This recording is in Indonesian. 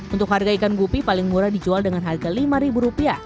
untuk harga ikan gupi paling murah dijual dengan harga rp lima